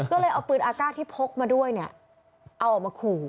ก็เลยเอาปืนอากาศที่พกมาด้วยเนี่ยเอาออกมาขู่